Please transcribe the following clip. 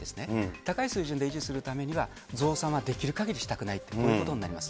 高い水準で維持するためには、増産はできるかぎりしたくない、こういうことになります。